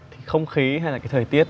thì không khí hay là cái thời tiết